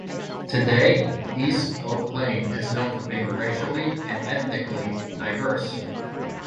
Today, East Oak Lane is known for being racially and ethnically diverse.